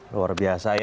luar biasa ya